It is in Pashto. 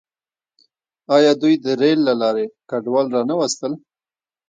آیا دوی د ریل له لارې کډوال را نه وستل؟